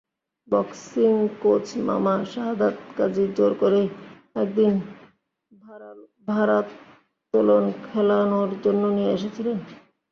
Boxing coach মামা শাহাদাৎ কাজী জোর করেই একদিন ভারোত্তোলন খেলানোর জন্য নিয়ে এসেছিলেন।